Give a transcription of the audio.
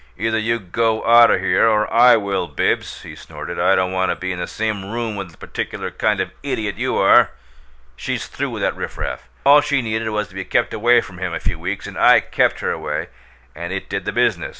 "Either you go out o' here, or I will, Bibbs!" he snorted. "I don't want to be in the same room with the particular kind of idiot you are! She's through with that riff raff; all she needed was to be kept away from him a few weeks, and I KEPT her away, and it did the business.